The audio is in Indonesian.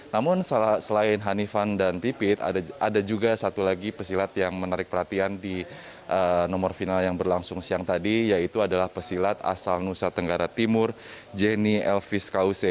namun selain hanifan dan pipit ada juga satu lagi pesilat yang menarik perhatian di nomor final yang berlangsung siang tadi yaitu adalah pesilat asal nusa tenggara timur jenny elvis kause